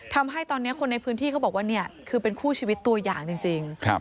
ทำให้ตอนนี้คนในพื้นที่เขาบอกว่าเนี่ยคือเป็นคู่ชีวิตตัวอย่างจริง